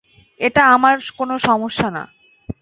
এটা আমার কোনো সমস্যা না।